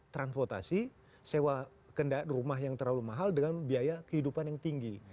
transportasi sewa rumah yang terlalu mahal dengan biaya kehidupan yang tinggi